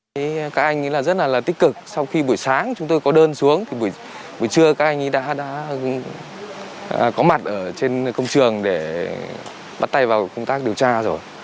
các anh ấy rất là tích cực sau khi buổi sáng chúng tôi có đơn xuống buổi trưa các anh ấy đã có mặt trên công trường để bắt tay vào công tác điều tra rồi